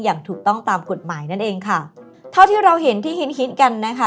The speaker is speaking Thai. อย่างถูกต้องตามกฎหมายนั่นเองค่ะเท่าที่เราเห็นที่ฮินฮินกันนะคะ